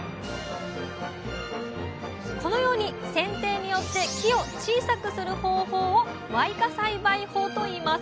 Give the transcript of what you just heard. このように剪定によって木を小さくする方法を「矮化栽培法」といいます。